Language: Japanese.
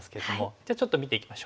じゃあちょっと見ていきましょう。